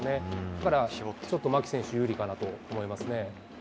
だからちょっと牧選手、有利かなと思いますね。